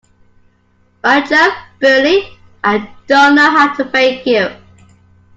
By Jove, Bertie, I don't know how to thank you.